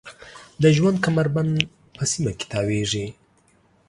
د ژوند کمربند په سیمه کې تاویږي.